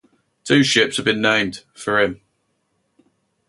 Two ships have been named, for him.